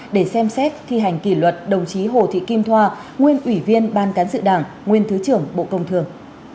để xem xét thi hành kỷ luật đồng chí hồ thị kim thoa nguyên ủy viên ban cán sự đảng nguyên thứ trưởng bộ công thương